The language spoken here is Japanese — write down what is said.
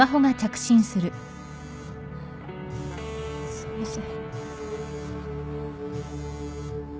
すいません。